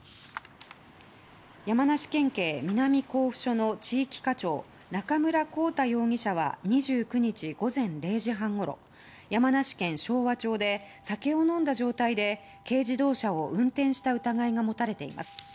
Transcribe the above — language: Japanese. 山梨県警南甲府署の地域課長中村康太容疑者は２９日午前０時半ごろ山梨県昭和町で酒を飲んだ状態で軽自動車を運転した疑いが持たれています。